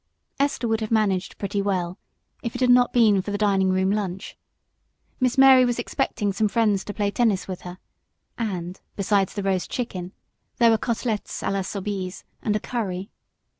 Esther would have managed pretty well if it had not been for the dining room lunch. Miss Mary was expecting some friends to play tennis with her, and, besides the roast chicken, there were the côtelettes à la Soubise and a curry.